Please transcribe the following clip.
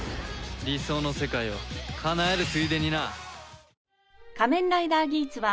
理想の世界をかなえるついでにな。